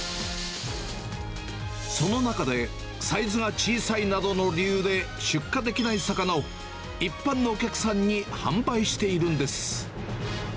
その中で、サイズが小さいなどの理由で出荷できない魚を、一般のお客さんに販売しているんです。